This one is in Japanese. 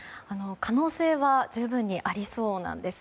可能性は十分にありそうなんです。